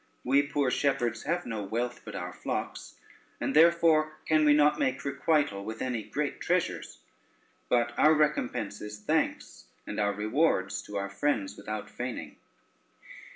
We poor shepherds have no wealth but our flocks, and therefore can we not make requital with any great treasures; but our recompense is thanks, and our rewards to her friends without feigning.